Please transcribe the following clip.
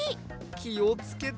きをつけて！